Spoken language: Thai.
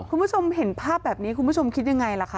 คุณผู้ชมเห็นภาพแบบนี้คุณผู้ชมคิดยังไงล่ะคะ